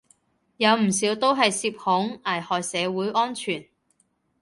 有唔少都係涉恐，危害社會安全